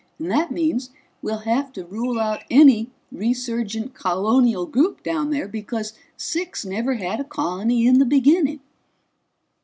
And that means we'll have to rule out any resurgent colonial group down there, because Six never had a colony in the beginning."